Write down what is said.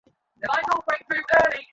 এখন ভয় পাচ্ছো নাকি?